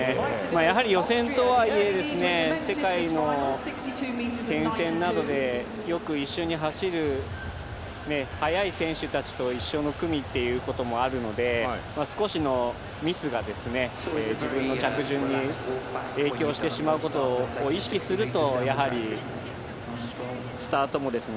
やはり予選とはいえ、世界の前線などでよく一緒に走る速い選手たちと一緒の組っていうこともあるので少しのミスが自分の着順に影響してしまうことを意識しないと。